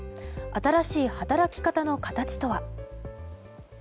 新しい働き方の形とは。